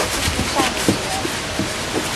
父亲向以节。